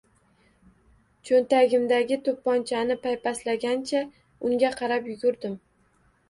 Cho‘ntagimdagi to‘pponchani paypaslagancha unga qarab yugurdim